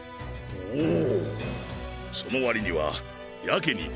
おお。